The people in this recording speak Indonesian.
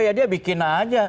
ya dia bikin aja